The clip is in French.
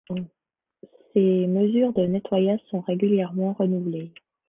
Ces mesures de nettoyage sont régulièrement renouvelées.